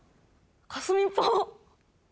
かすみっぽ！